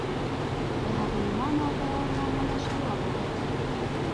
د هغه ایمان او باور له امله شواب وګټل